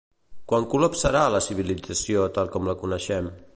Quan col·lapsarà la civilització tal com la coneixem?